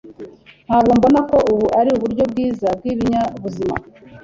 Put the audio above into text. Ntabwo mbona ko ubu ari uburyo bwiza bwibinyabuzima.